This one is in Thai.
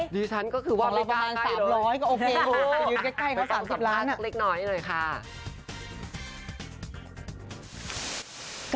เป็นอย่างไรรอดไหม